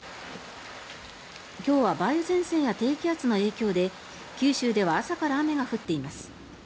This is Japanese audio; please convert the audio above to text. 今日は梅雨前線や低気圧の影響で九州では朝から雨が降っています。